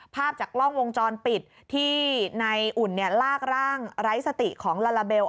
ภาพจากกล้องวงจรปิดที่นายอุ่นลากร่างไร้สติของลาลาเบล